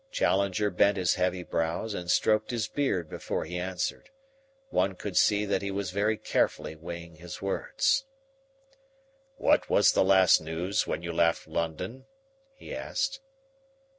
Challenger bent his heavy brows and stroked his beard before he answered. One could see that he was very carefully weighing his words. "What was the last news when you left London?" he asked.